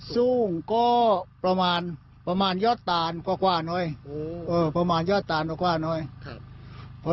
สูงก็ประมาณประมาณยอดต่างกว่ากว่าน้อยโอ้ประมาณยอดต่างกว่ากว่าน้อยครับ